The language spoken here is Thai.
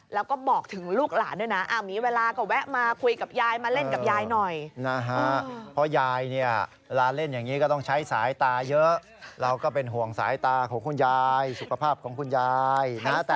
แล้วก็บอกถึงลูกหลานด้วยนะอันนี้เวลาก็แวะมาคุยกับยาย